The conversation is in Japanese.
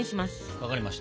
分かりました。